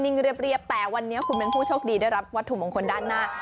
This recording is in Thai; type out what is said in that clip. เรียบแต่วันนี้คุณเป็นผู้โชคดีได้รับวัตถุมงคลด้านหน้า